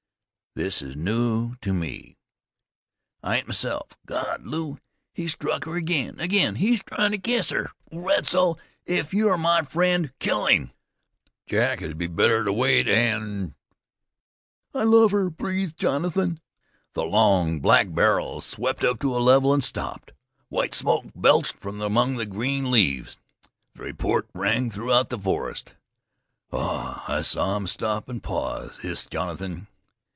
"This is new to me. I ain't myself. God! Lew, he struck her again! Again! He's tryin' to kiss her! Wetzel, if you're my friend, kill him!" "Jack, it'd be better to wait, an' " "I love her," breathed Jonathan. The long, black barrel swept up to a level and stopped. White smoke belched from among the green leaves; the report rang throughout the forest. "Ah! I saw him stop an' pause," hissed Jonathan.